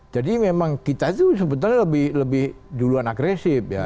jadi memang kita itu sebetulnya lebih duluan agresif ya